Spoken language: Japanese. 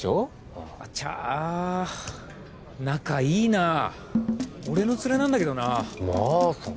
あちゃあ仲いいな俺の連れなんだけどなマーさん！？